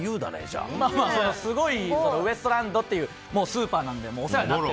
まあまあ、すごいウエストランドっていうスーパーなのでお世話になってて。